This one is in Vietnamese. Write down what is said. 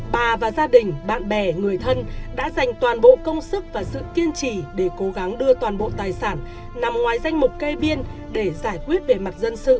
bà và gia đình bạn bè người thân đã dành toàn bộ công sức và sự kiên trì để cố gắng đưa toàn bộ tài sản nằm ngoài danh mục cây biên để giải quyết về mặt dân sự